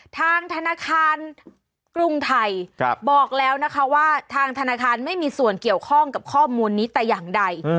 ทางธนาคารกรุงไทยบอกแล้วนะคะว่าทางธนาคารไม่มีส่วนเกี่ยวข้องกับข้อมูลนี้แต่อย่างใด